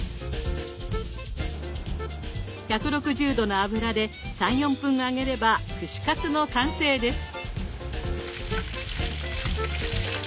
１６０℃の油で３４分揚げれば串カツの完成です。